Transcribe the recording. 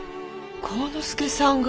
晃之助さんが？